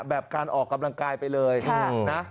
แบบการออกกำลังกายไปเลยนะ